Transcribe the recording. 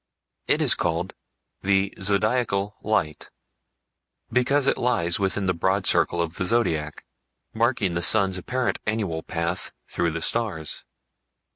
It is called "The Zodiacal Light," because it lies within the broad circle of the Zodiac, marking the sun's apparent annual path through the stars.